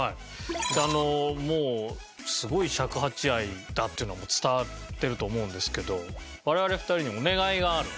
あのもうすごい尺八愛だっていうのは伝わってると思うんですけど我々２人にお願いがある。